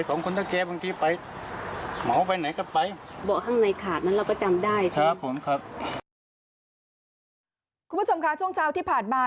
คุณผู้ชมค่ะช่วงเช้าที่ผ่านมา